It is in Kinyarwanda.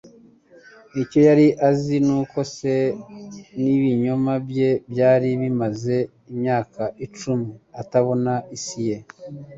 Icyo yari azi nuko se n'ibinyoma bye byari bimaze imyaka icumi atabona isi ye.